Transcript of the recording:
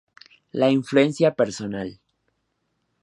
La influencia personal.